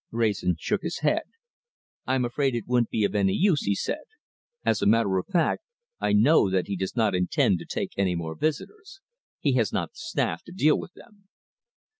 Wrayson shook his head. "I'm afraid it wouldn't be any use," he said. "As a matter of fact, I know that he does not intend to take any more visitors. He has not the staff to deal with them."